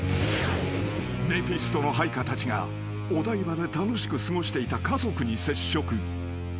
［メフィストの配下たちがお台場で楽しく過ごしていた家族に接触］